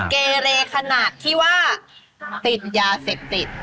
เกเรขนาดที่ว่าติดยาเสพติด